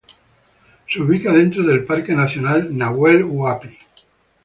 Se ubica dentro del Parque Nacional Nahuel Huapi.